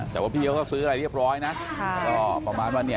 แต่ว่าพี่เขาก็ซื้ออะไรเรียบร้อยนะก็ประมาณว่าเนี่ย